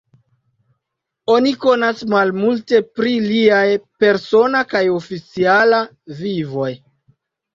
Oni konas malmulte pri liaj persona kaj oficiala vivoj.